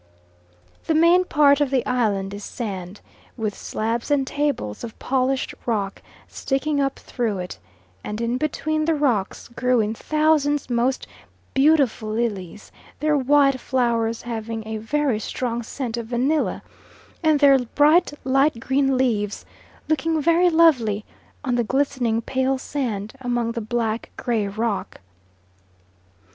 The main part of the island is sand, with slabs and tables of polished rock sticking up through it; and in between the rocks grew in thousands most beautiful lilies, their white flowers having a very strong scent of vanilla and their bright light green leaves looking very lovely on the glistening pale sand among the black gray rock.